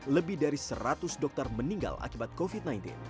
lebih dari seratus dokter meninggal akibat covid sembilan belas